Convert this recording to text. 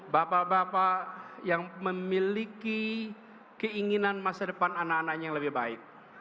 bapak bapak yang memiliki keinginan masa depan anak anaknya yang lebih baik